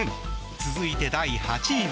続いて、第８位は。